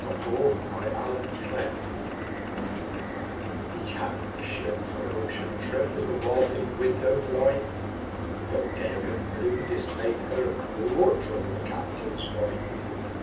Y Z A Nautical Ballad A CAPITAL ship for an ocean trip Was The Walloping Window blind No gale that blew dismayed her crew Or troubled the captain's mind.